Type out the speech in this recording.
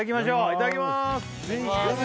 いただきます